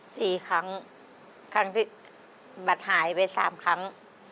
สี่ครั้งครั้งที่บัตรหายไปสามครั้ง